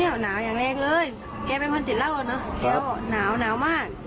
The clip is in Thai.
เพราะว่าแม่เป็นคนที่ติดเหล้ามาก